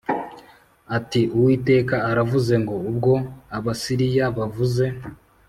ati “Uwiteka aravuze ngo: Ubwo Abasiriya bavuze